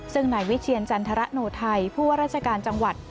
ซึ่งนายวิเชียรจันทรโนไทยผู้ว่าราชการจังหวัด